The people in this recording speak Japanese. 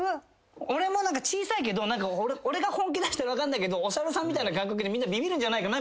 俺も小さいけど俺が本気出したら分かんないけどお猿さんみたいな感覚でみんなビビるんじゃないかな。